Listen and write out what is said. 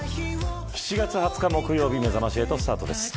７月２０日木曜日めざまし８スタートです。